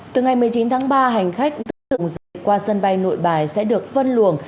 từ ngày một mươi chín tháng ba hành khách tự dịch qua sân bay nội bài sẽ được phân luồng